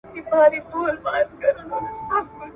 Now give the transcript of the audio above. سړي ځواب ورکړ چې دا پوښتنه مه کوه.